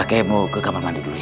kakai mau ke kamar mandi dulu ya